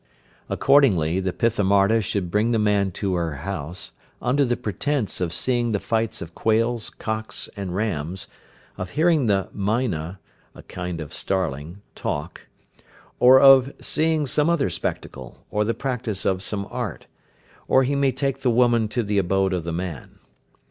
Accordingly, the Pithamarda should bring the man to her house, under the pretence of seeing the fights of quails, cocks, and rams, of hearing the maina (a kind of starling) talk, or of seeing some other spectacle, or the practice of some art; or he may take the woman to the abode of the man.